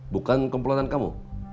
bukan kempulatan kamu